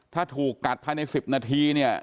ถ้าถูกกัดภายใน๑๐นาทีเนี่ย